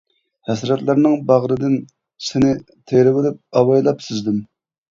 ھەسرەتلەرنىڭ باغرىدىن سېنى، تېرىۋېلىپ ئاۋايلاپ سۈزدۈم.